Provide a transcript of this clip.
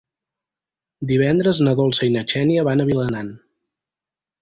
Divendres na Dolça i na Xènia van a Vilanant.